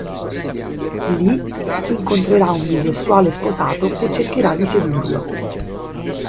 Lì incontrerà un bisessuale sposato che cercherà di sedurlo.